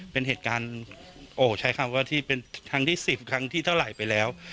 เป็นเหตุการณ์โอ้ใช้คำว่าที่เป็นครั้งที่๑๐ครั้งที่เท่าไหร่ไปแล้ว